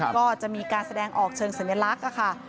ก็จะมีการแสดงออกเชิงสัญลักษณ์ค่ะ